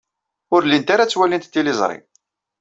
Ur llint ara ttwalint tiliẓri.